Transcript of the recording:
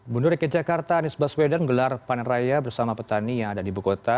bundur rekit jakarta anies baswedan gelar panen raya bersama petani yang ada di bukota